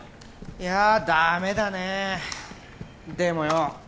いやダメだねでもよ